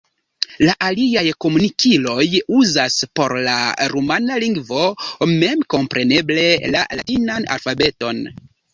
La aliaj komunikiloj uzas por la rumana lingvo memkompreneble la latinan alfabeton.